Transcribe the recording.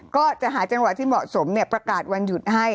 ก็จะหาจังหวะที่เหมาะสมประกาศวันหยุดให้